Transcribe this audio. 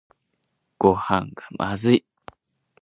ごはんがまずい